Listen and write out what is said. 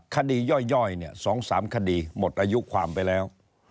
ย่อย๒๓คดีหมดอายุความไปแล้ว